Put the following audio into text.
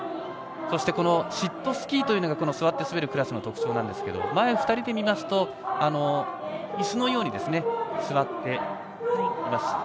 そして、シットスキーというのが座って滑るクラスの特徴ですが前２人で見ますといすのように座っています。